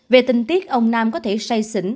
về tình tiết ông nam có thể say xỉn